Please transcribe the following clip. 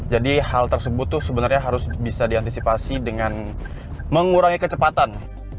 jadi hal tersebut tuh sebenarnya harus bisa diantisipasi dengan mengurangi kecepatan